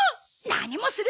何もするか！